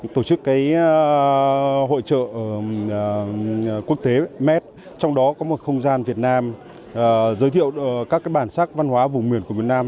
tổ chức hội trợ quốc tế met trong đó có một không gian việt nam giới thiệu các bản sắc văn hóa vùng miền của việt nam